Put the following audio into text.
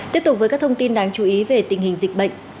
tiếp tục với các thông tin đáng chú ý về tình hình dịch bệnh